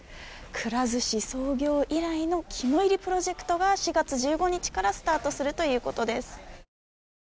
くら寿司創業以来の肝煎りプロジェクトが４月１５日からスタートするということです。